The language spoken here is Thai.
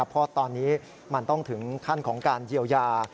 เพราะตอนนี้มันต้องถึงขั้นของการเยียวยา